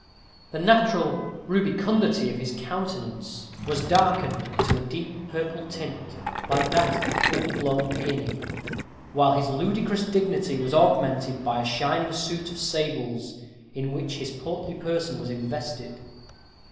The natural rubicundity of his countenance was darkened to a deep purple tint, like that of a full blown peony, while his ludicrous dignity was augmented by a shining suit of sables, in which his portly person was invested.